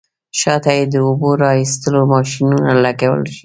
شاته یې د اوبو را ایستلو ماشینونه لګول شوي.